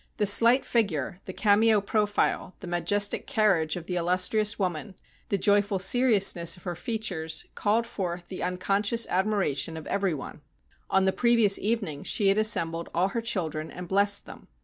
The slight figure, the cameo profile, the majestic carriage of the illustrious woman, the joyful seriousness of her features, called forth the unconscious admiration of every one. On the previous evening she had assembled all her chil dren and blessed them.